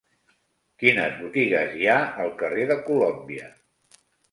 Quines botigues hi ha al carrer de Colòmbia?